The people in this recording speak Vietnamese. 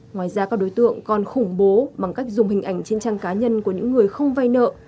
ngoài ra các đối tượng còn khủng bố bằng cách dùng hình ảnh trên trang cá nhân của những người không vay nợ